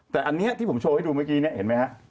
แต่อันนี้ที่ผมโชว์ให้ดูเมื่อกี้เนี่ยเห็นไหมฮะ